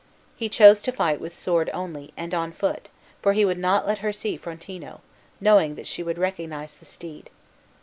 He chose to fight with sword only, and on foot, for he would not let her see Frontino, knowing that she would recognize the steed.